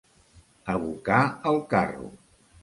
Abocar el carro.